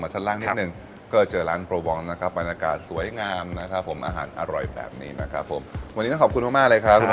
ชั้นแอลนะคะ